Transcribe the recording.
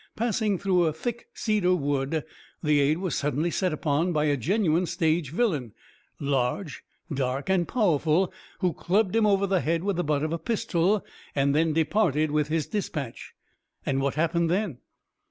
Passing through a thick cedar wood the aide was suddenly set upon by a genuine stage villain, large, dark and powerful, who clubbed him over the head with the butt of a pistol, and then departed with his dispatch." "And what happened then?"